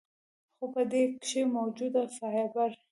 خو پۀ دې کښې موجود فائبر ،